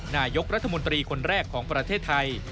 นายกรัฐมนตรีคนแรกของประเทศไทย